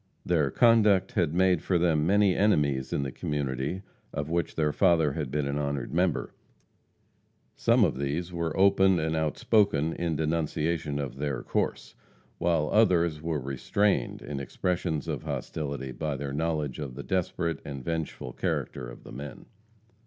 Their conduct had made for them many enemies in the community of which their father had been an honored member. Some of these were open and outspoken in denunciation of their course, while others were restrained in expressions of hostility by their knowledge of the desperate and vengeful character of the men.